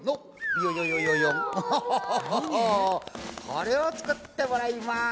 これを作ってもらいます。